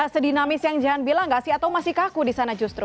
sedinamis yang jahan bilang nggak sih atau masih kaku di sana justru